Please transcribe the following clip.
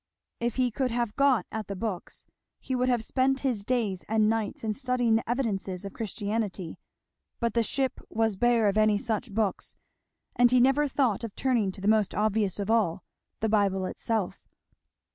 If be could have got at the books, he would have spent his days and nights in studying the evidences of Christianity, but the ship was bare of any such books, and he never thought of turning to the most obvious of all, the Bible itself.